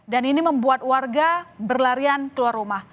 dan ini membuat warga berlarian keluar rumah